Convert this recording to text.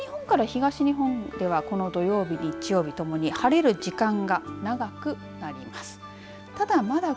西日本から東日本ではこの土曜日、日曜日ともに晴れる時間が長くなります。